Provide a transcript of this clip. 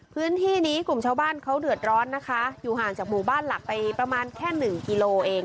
พื้นที่นี้กลุ่มชาวบ้านเขาเดือดร้อนนะคะอยู่ห่างจากหมู่บ้านหลักไปประมาณแค่หนึ่งกิโลเอง